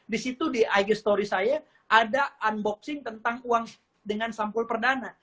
di situ di ig story saya ada unboxing tentang uang dengan sampul perdana